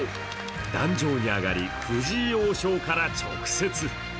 壇上に上がり、藤井王将から直接。